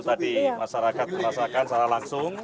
tadi masyarakat merasakan secara langsung